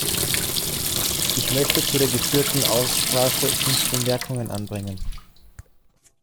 Ich möchte zu der geführten Aussprache fünf Bemerkungen anbringen.